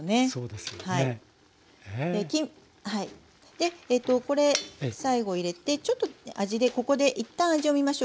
でこれ最後入れてちょっとここで一旦味をみましょう。